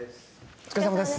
お疲れさまです